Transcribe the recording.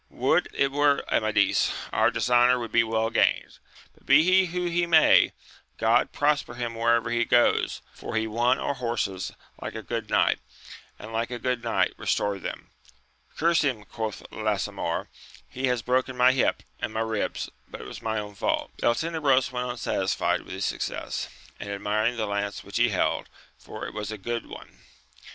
Would it were Amadis, our dishonour would be well gained ! but be he who he may, God prosper him wherever he goes 1 for he won our horses like a good knight, and Uke a good knight restored them. Curse him, quoth Lasamor, he has broken my hip and my ribs, but it was my own fault. Beltenebros went on satisfied with his success, and admiring the lance which he held, for it was a good one.